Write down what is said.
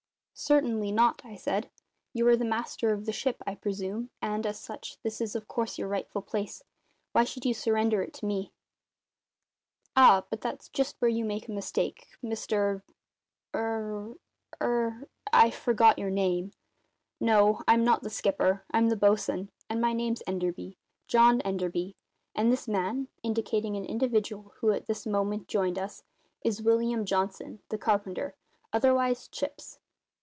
"Certainly not," I said. "You are the master of the ship, I presume, and, as such, this is of course your rightful place. Why should you surrender it to me?" "Ah, but that's just where you make a mistake, Mr er er I forget your name. No, I'm not the skipper; I'm the bosun, and my name's Enderby John Enderby. And this man," indicating an individual who at this moment joined us "is William Johnson, the carpenter otherwise `Chips'."